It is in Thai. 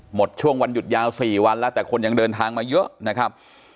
หมดช่วงวันหยุดยาว๔วันแล้วแต่คนยังเดินทางมาเยอะนะครับ